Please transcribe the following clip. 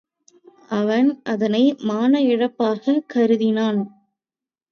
அவன் அதனை மான இழப்பாகக் கருதினான்.